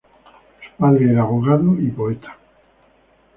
Su padre era abogado y poeta.